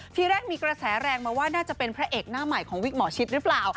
ทีแรกมีกระแสแรงมาว่าน่าจะเป็นพระเอกหน้าใหม่ของวิกหมอชิดหรือเปล่า